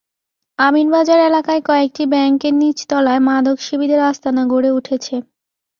আমিনবাজার এলাকায় কয়েকটি ব্যাংকের নিচতলায় মাদকসেবীদের আস্তানা গড়ে উঠেছে।